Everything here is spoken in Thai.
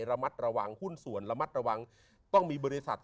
ระมัดระวังหุ้นส่วนระมัดระวังต้องมีบริษัท